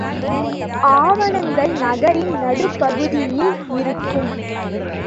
ஆவணங்கள் நகரின் நடுப்பகுதியில் இருக்கும்.